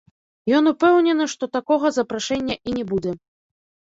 Ён упэўнены, што такога запрашэння і не будзе.